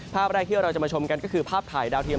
ภาพแรกที่เราจะมาชมกันก็คือภาพถ่ายดาวเทียม